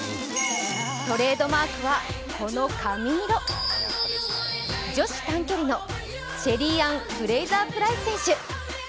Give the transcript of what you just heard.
トレードマークはこの髪色女子短距離のシェリーアン・フレイザープライス選手